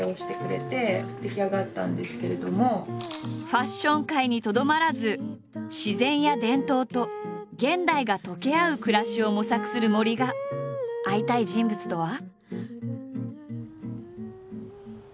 ファッション界にとどまらず自然や伝統と現代が溶け合う暮らしを模索する森が会いたい人物とは。